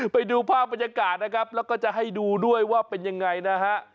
ไปดูภาพบรรยากาศนะครับแล้วก็จะให้ดูด้วยว่าเป็นยังไงนะฮะ